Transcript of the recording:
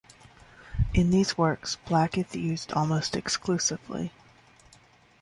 In these works, black is used almost exclusively.